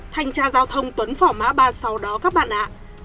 thanh tra giao thông tuấn phỏ má ba mươi sáu đó các bạn ạ